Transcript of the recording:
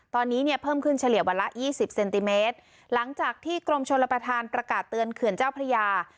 ตอนนี้เนี่ยเพิ่มขึ้นเฉลี่ยวันละยี่สิบเซนติเมตรหลังจากที่กรมชนรับประทานประกาศเตือนเขื่อนเจ้าพระยา